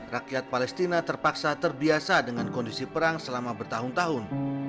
rakyat palestina terpaksa terbiasa dengan kondisi perang selama bertahun tahun